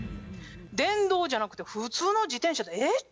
電動じゃなくて普通の自転車でええっちゅうねん。